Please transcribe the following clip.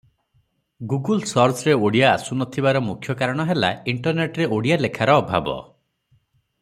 Google ସର୍ଚରେ ଓଡ଼ିଆ ଆସୁନଥିବାର ମୁଖ୍ୟ କାରଣ ହେଲା ଇଣ୍ଟରନେଟରେ ଓଡ଼ିଆ ଲେଖାର ଅଭାବ ।